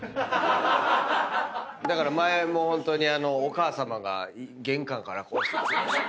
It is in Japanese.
だから前もホントにお母さまが玄関からこうして。